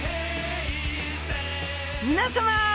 みなさま！